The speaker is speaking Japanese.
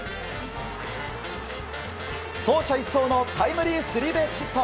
走者一掃のタイムリースリーベースヒット。